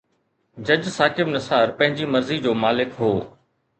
جج ثاقب نثار پنهنجي مرضي جو مالڪ هو.